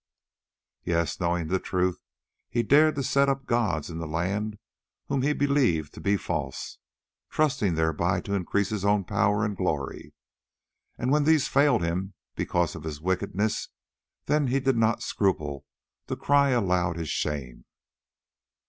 "Yes, knowing the truth he dared to set up gods in the land whom he believed to be false, trusting thereby to increase his own power and glory, and when these failed him because of his wickedness, then he did not scruple to cry aloud his shame.